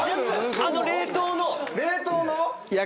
あの冷凍の。